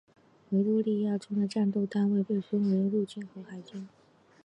维多利亚中的战斗单位被分为陆军和海军。